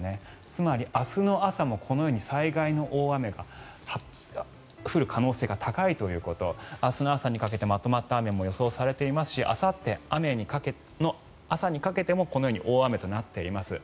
つまり、明日の朝もこのように災害級の雨が降る可能性が高いということ明日の朝にかけてまとまった雨も予想されていますしあさって朝にかけてもこのように大雨となっています。